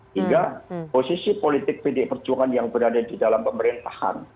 hingga posisi politik pdi perjuangan yang berada di dalam pemerintahan